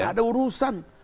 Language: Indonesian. nggak ada urusan